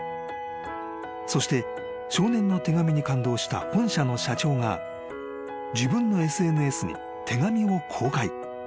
［そして少年の手紙に感動した本社の社長が自分のＳＮＳに手紙を公開］